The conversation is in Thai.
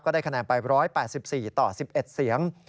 ได้คะแนนไป๑๘๔ต่อ๑๑เสียง